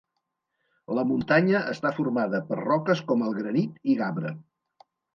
La muntanya està formada per roques com el granit i gabre.